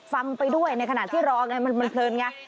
ฟังไปด้วยในขณะที่รอไงมันเพลินไง